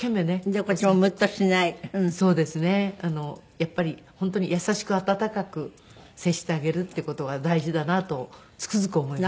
やっぱり本当に優しく温かく接してあげるっていう事が大事だなとつくづく思いました。